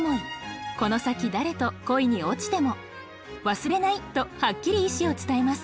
「忘れない」とはっきり意志を伝えます。